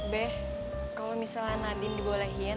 beh kalo misalnya nadin dibolehin